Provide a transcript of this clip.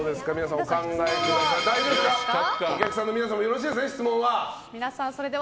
お客さんの皆さんもよろしいですね、質問は。